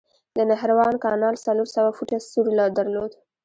د نهروان کانال څلور سوه فوټه سور درلود.